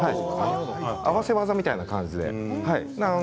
合わせ技みたいな感じですね。